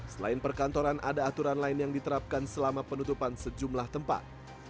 selain perkantoran ada aturan lain yang diterapkan selama penutupan sejumlah tempat